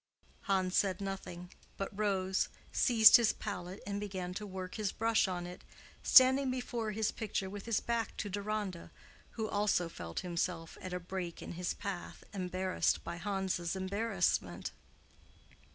Hans said nothing, but rose, seized his palette and began to work his brush on it, standing before his picture with his back to Deronda, who also felt himself at a break in his path embarrassed by Hans's embarrassment.